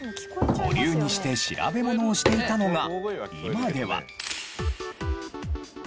保留にして調べ物をしていたのが今では。